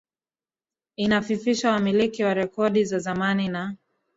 inafifisha wamiliki wa rekodi za zamani na